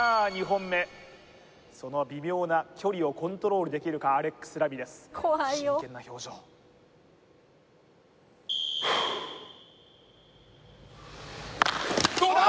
２本目その微妙な距離をコントロールできるかアレックス・ラミレス真剣な表情どうだ！